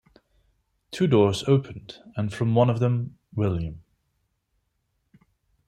Two doors opened, and from one of them, William.